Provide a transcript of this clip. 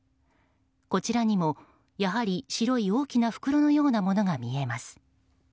こちらにもやはり白い大きな袋のようなものが見えます。